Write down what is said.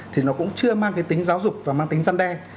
thì nó cũng chưa mang cái tính giáo dục và mang tính răn đe